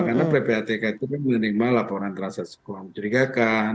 karena ppatk itu menerima laporan transaksi keuangan mencurigakan